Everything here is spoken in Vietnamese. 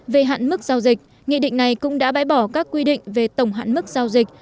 về hạn mức giao dịch nghị định này cũng đã bãi bỏ các quy định về tổng hạn mức giao dịch